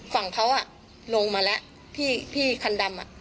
ฝั่งเขาอ่ะลงมาแล้วพี่คันดำอ่ะ